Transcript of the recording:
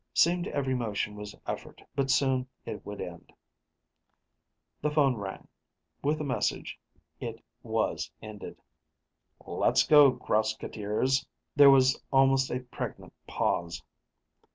Seemed every motion was effort, but soon it would end. The phone rang. With the message, it was ended. "Let's go, grouseketeers." There was almost a pregnant pause.